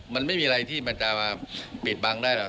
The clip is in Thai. มันไม่มีอะไรที่มันจะมาปิดบังได้หรอก